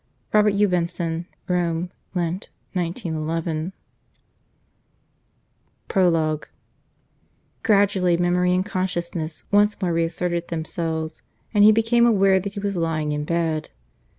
ROBERT HUGH BENSON. ROME Lent 1911 THE DAWN OF ALL PROLOGUE Gradually memory and consciousness once more reasserted themselves, and he became aware that he was lying in bed.